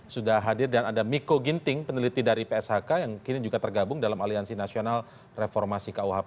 sudah hadir dan ada miko ginting peneliti dari pshk yang kini juga tergabung dalam aliansi nasional reformasi kuhp